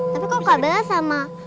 tapi kok kabelak sama